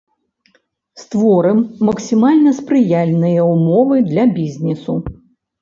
Створым максімальна спрыяльныя ўмовы для бізнесу.